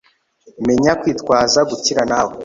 menya kwitwaza gukira nawe